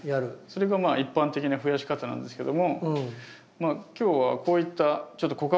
それが一般的なふやし方なんですけどもまあ今日はこういったちょっと子株の出にくい種類。